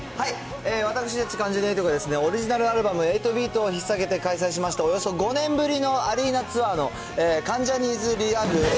私たち、関ジャニ∞が、オリジナルアルバム、８ＢＥＡＴをひっ提げて開催しました、およそ５年ぶりのアリーナツアーの、カンジャニズＲｅ：ＬＩＶＥ８